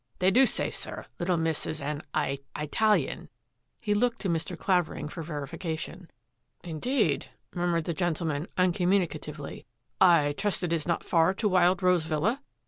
They do say, sir, little miss is an Eye — Italian." He looked to Mr. Clavering for verification. " Indeed !" murmured that gentleman uncom municatively. " I trust it is not far to Wild Rose Villa?